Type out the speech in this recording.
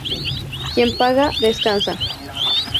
Quien paga, descansa